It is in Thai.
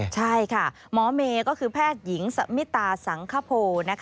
ใช่ค่ะหมอเมย์ก็คือแพทย์หญิงสมิตาสังคโภ